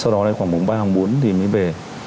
sau đó khoảng ba bốn thì mới về